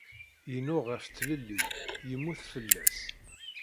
Yennuɣ ɣef tlelli, yemmut fell-as.